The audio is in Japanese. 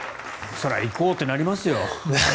そら、行こうってなりますよ。